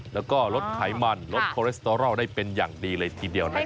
แล้วก็ลดไขมันลดโคเลสเตอรอลได้เป็นอย่างดีเลยทีเดียวนะครับ